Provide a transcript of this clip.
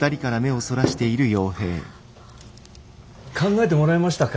考えてもらえましたか？